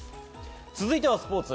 続いてはスポーツ。